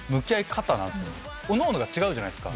おのおのが違うじゃないですか。